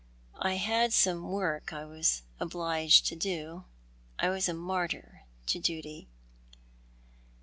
" I had some work that I was obliged to do. I was a martyr to duty."